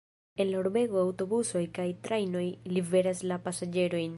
En la urbego aŭtobusoj kaj trajnoj liveras la pasaĝerojn.